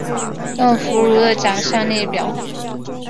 邓福如的奖项列表